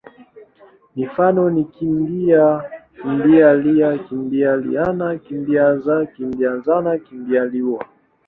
Mifano ni kimbi-a, kimbi-lia, kimbili-ana, kimbi-za, kimbi-zana, kimbi-liwa.